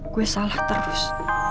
gue salah terus